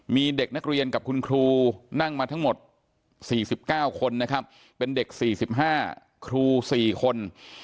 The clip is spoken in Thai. มีเด็กนักเรียนกับคุณครูนั่งมาทั้งหมด๔๙คนนะครับเป็นเด็ก๔๕ครู๔คน